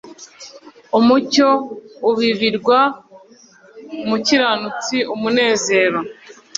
Umucyo ubibirwa umukiranutsi Umunezero